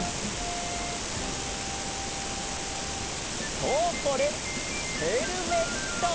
そうこれヘルメット！